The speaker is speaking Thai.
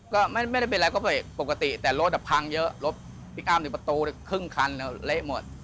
ก็ไม่ได้เป็นแปลกก็พี่คนปกติแต่โลตแบบพังเยอะพิกอับประตูเรียนครึ่งคันแล้วเละหมด